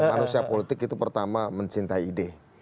manusia politik itu pertama mencintai ide